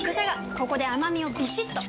ここで甘みをビシッと！